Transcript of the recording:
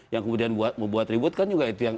yang kemudian membuat ribut kan juga itu yang